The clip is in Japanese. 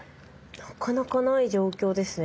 なかなかない状況ですね。